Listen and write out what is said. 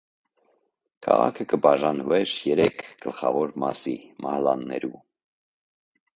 Քաղաքը կը բաժնուէր երեք գլխաւոր մասի (մահլաներու)։